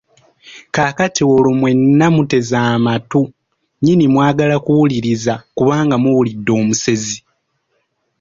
Kaakati olwo mwenna muteze amatu nnyini mwagala okuwuliriza kubanga muwulidde omusezi.